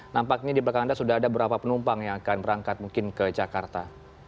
nampaknya di belakang anda sudah ada berapa penumpang yang akan berangkat mungkin ke jakarta